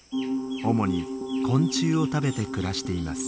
主に昆虫を食べて暮らしています。